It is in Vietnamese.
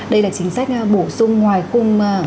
đây là chính sách bổ sung ngoài khung